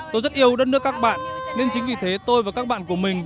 tôi rất yêu đất nước các bạn nên chính vì thế tôi và các bạn của mình